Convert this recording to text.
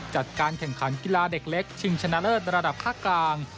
จัดการแข่งขันกีฬาเด็กเล็กชิงชนะเลิศระดับภาคกลาง